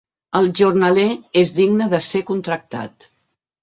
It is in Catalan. El jornaler és digne de ser contractat.